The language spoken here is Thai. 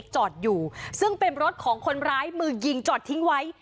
จอดอยู่ซึ่งเป็นรถของคนร้ายมือยิงจอดทิ้งไว้